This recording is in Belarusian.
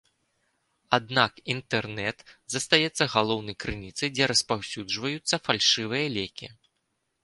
Аднак інтэрнэт застаецца галоўнай крыніцай, дзе распаўсюджваюцца фальшывыя лекі.